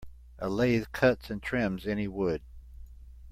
A lathe cuts and trims any wood.